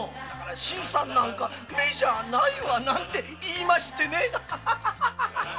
新さんなんかメじゃないなんて言いましてね。